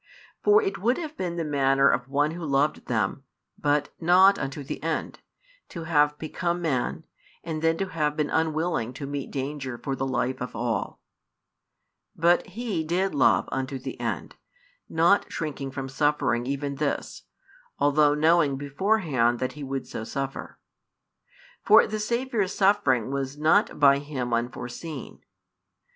For it would have been the manner of one who loved them, but not unto the end, to have become man, and then to have been unwilling to meet danger for the life of all; but He did love unto the end, not shrinking from suffering even this, although knowing beforehand that He would so suffer. For the Saviour's suffering was not by Him unforeseen.